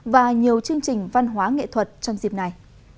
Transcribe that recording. và nhiều chương trình văn hóa nghệ thuật trong dịp này